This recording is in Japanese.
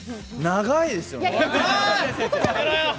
長いですよ。